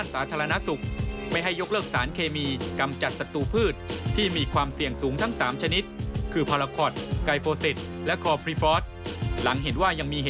จากการจัดการใช้